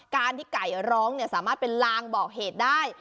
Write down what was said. การที่ไก่ร้องสามารถเป็นลางบอกเหตุได้